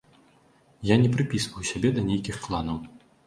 Я не прыпісваю сябе да нейкіх кланаў.